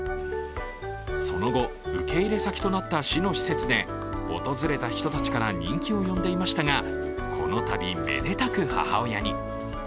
その後、受け入れ先となった市の施設で訪れた人たちから人気を呼んでいましたがこのたび、めでたく母親に。